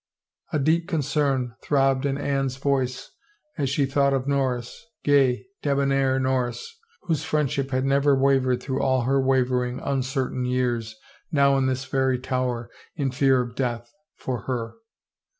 A deep concern throbbed in Anne's voice as she thought of Norris, gay, debonair Nor ris, whose friendship had never wavered through all her wavering, uncertain years, now in this very Tower, in fear of death, for her.